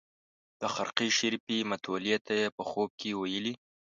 د خرقې شریفې متولي ته یې په خوب کې ویلي.